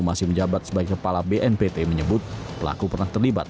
masih menjabat sebagai kepala bnpt menyebut pelaku pernah terlibat